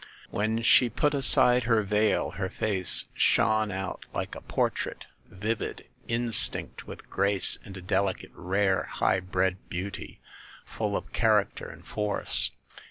When she put aside her veil her face shone out like a portrait, vivid, instinct with grace and a delicate, rare, high bred beauty, full of character and force.